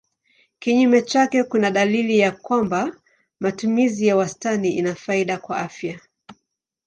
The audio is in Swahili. Kinyume chake kuna dalili ya kwamba matumizi ya wastani ina faida kwa afya.